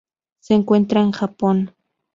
Se encuentra en Japón.